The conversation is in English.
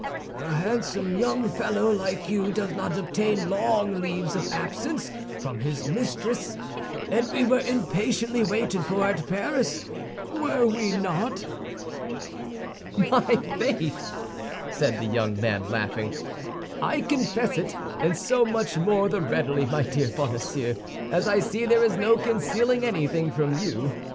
"A handsome young fellow like you does not obtain long leaves of absence from his mistress; and we were impatiently waited for at Paris, were we not?" "My faith!" said the young man, laughing, "I confess it, and so much more the readily, my dear Bonacieux, as I see there is no concealing anything from you.